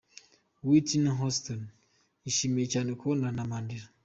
Whitney Houston yishimiye cyane kubonana na Mandela.